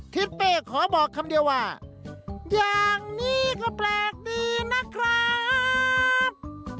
ทิศเป้ขอบอกคำเดียวว่าอย่างนี้ก็แปลกดีนะครับ